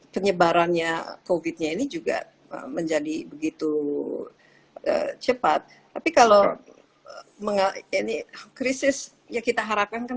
penyebarannya covid nya ini juga menjadi begitu cepat tapi kalau ini krisis ya kita harapkan kan